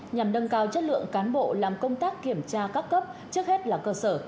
nhằm nâng cao chất lượng cán bộ làm công tác kiểm tra các cấp trước hết là cơ sở